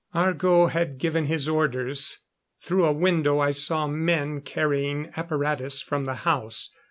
Argo had given his orders. Through a window I saw men carrying apparatus from the house.